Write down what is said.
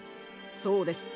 そうです。